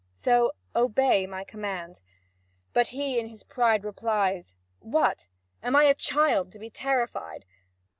So obey my command." But he in his pride replies: "What? Am I a child to be terrified?